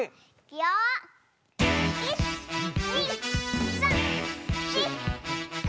１２３４５！